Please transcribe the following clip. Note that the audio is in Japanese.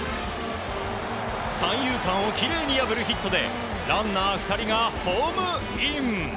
三遊間をきれいに破るヒットでランナー２人がホームイン！